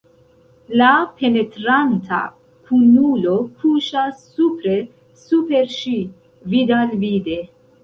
La penetranta kunulo kuŝas supre super ŝi, vid-al-vide.